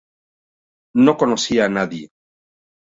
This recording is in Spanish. No conocía a nadie.